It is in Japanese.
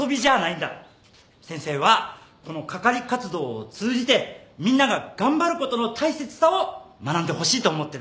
先生はこの係活動を通じてみんなが頑張ることの大切さを学んでほしいと思ってる。